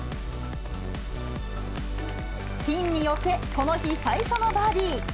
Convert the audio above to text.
ピンに寄せ、この日、最初のバーディー。